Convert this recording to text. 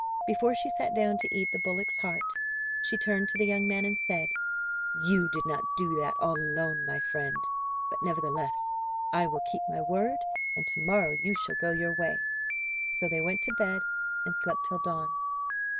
Before she sat down to eat the bullock's heart she turned to the young man, and said: "You did not do that all alone, my friend; but, nevertheless, I will keep my word, and to morrow you shall go your way." So they went to bed and slept till dawn.